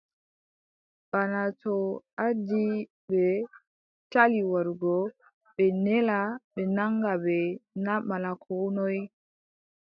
Bana to ardiiɓe cali warugo, ɓe nela ɓe naŋga ɓe na malla koo noy ?